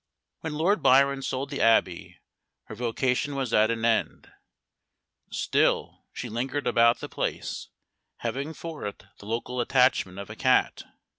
When Lord Byron sold the Abbey her vocation was at an end, still she lingered about the place, having for it the local attachment of a cat.